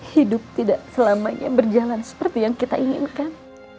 hidup tidak selamanya berjalan seperti yang kita inginkan